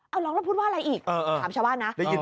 เอาร้องแล้วพูดว่าอะไรอีกถามชาวบ้านนะได้ยิน